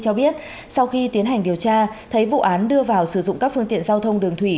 cho biết sau khi tiến hành điều tra thấy vụ án đưa vào sử dụng các phương tiện giao thông đường thủy